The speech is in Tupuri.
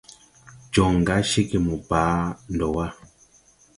Jɔŋ ga cegè mo baa ndo wà.